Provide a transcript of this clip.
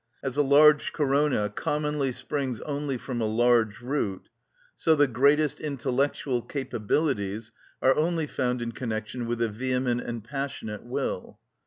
As a large corona commonly springs only from a large root, so the greatest intellectual capabilities are only found in connection with a vehement and passionate will.